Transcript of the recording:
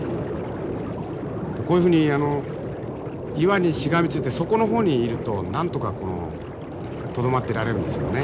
こういうふうに岩にしがみついて底の方にいるとなんとかとどまってられるんですよね。